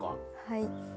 はい。